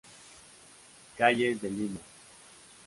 Calles de Lima.